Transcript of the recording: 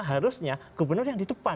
harusnya gubernur yang di depan